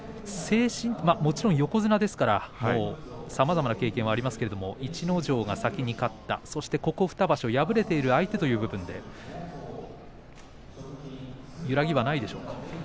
横綱ですからさまざまな経験がありますが逸ノ城が先に立ったそしてここ２場所、敗れている相手という部分で揺らぎはないですか？